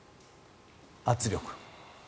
圧力。